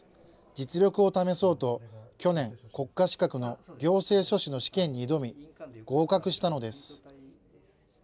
実力を試そうと、去年、国家資格の行政書士の試験に挑み、合格したのです。